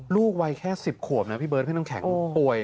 ลูกวัยแค่๑๐ขวบนะพี่เบิร์ดพี่น้ำแข็งป่วย